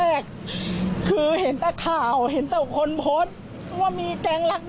พี่ขึ้นจะไม่ให้ลูกหานไตนะ